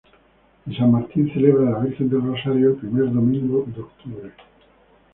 Y San Martín celebra la Virgen del Rosario el primer domingo de octubre.